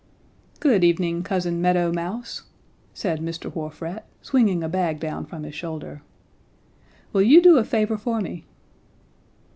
"'Good evening, Cousin Meadow Mouse,' said Mr. Wharf Rat, swinging a bag down from his shoulder. 'Will you do a favor for me?'